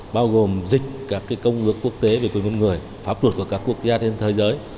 bao gồm dịch các công ước quốc tế về quyền con người pháp luật của các quốc gia trên thế giới